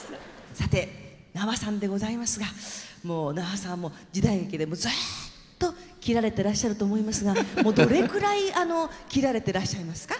さて名和さんでございますがもう名和さんも時代劇でずっと斬られてらっしゃると思いますがもうどれくらい斬られてらっしゃいますか？